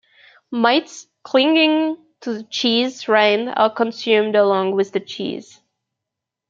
Mites clinging to the cheese rind are consumed along with the cheese.